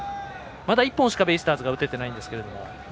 まだ１本しかベイスターズが打ててないんですけども。